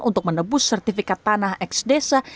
untuk menebus sertifikat tanah eks desa